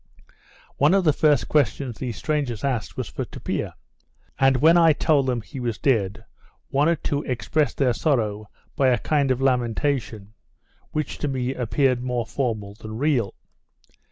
One of the first questions these strangers asked, was for Tupia; and when I told them he was dead, one or two expressed their sorrow by a kind of lamentation, which to me appeared more formal than real.